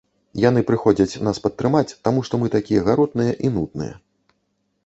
Яны прыходзяць нас падтрымаць, таму што мы такія гаротныя і нудныя.